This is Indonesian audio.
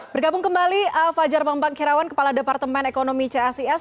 bergabung kembali fajar mampang kirawan kepala departemen ekonomi cacs